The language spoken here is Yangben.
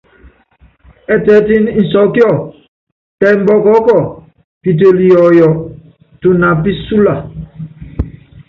Ɛtɛɛtini insɔkíɔ, tɛ imbɔkɔɔ́kɔ, pitelu yɔɔyɔ, tuna píɔnsulɔ.